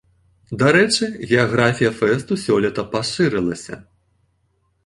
Дарэчы, геаграфія фэсту сёлета пашырылася.